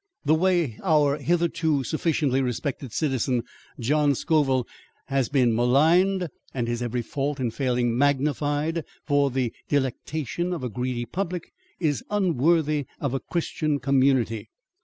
The way our hitherto sufficiently respected citizen, John Scoville, has been maligned and his every fault and failing magnified for the delectation of a greedy public is unworthy of a Christian community.